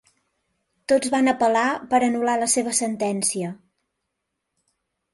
Tots van apel·lar per anul·lar la seva sentència.